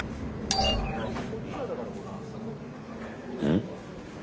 ん？